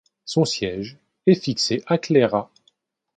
Son siège est fixé à Claira.